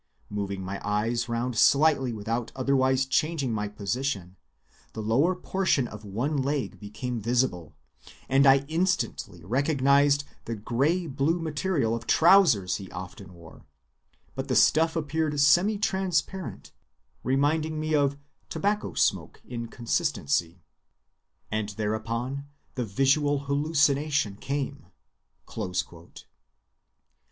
Moving my eyes round slightly without otherwise changing my position, the lower portion of one leg became visible, and I instantly recognized the gray‐blue material of trousers he often wore, but the stuff appeared semi‐ transparent, reminding me of tobacco smoke in consistency,"(25)—and hereupon the visual hallucination came.